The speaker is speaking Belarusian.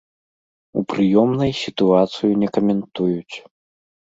У прыёмнай сітуацыю не каментуюць.